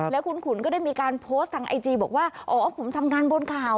แล้วคุณขุนก็ได้มีการโพสต์ทางไอจีบอกว่าอ๋อผมทำงานบนข่าว